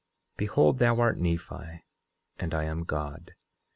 10:6 Behold, thou art Nephi, and I am God.